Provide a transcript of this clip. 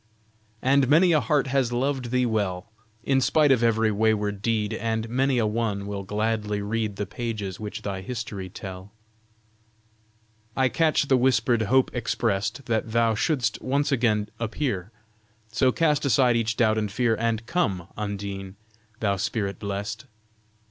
And many a heart has loved thee well, In spite of every wayward deed, And many a one will gladly read, The pages which thy history tell. I catch the whispered hope expressed, That thou should'st once again appear; So cast aside each doubt and fear, And come, Undine! thou spirit blest!